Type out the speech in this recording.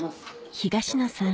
東野さん